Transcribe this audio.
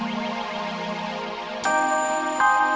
setiap bulan water